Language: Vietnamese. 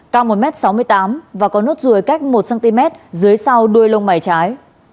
cao một m sáu mươi tám và có nốt ruồi cách một cm dưới sau đuôi lông mày trái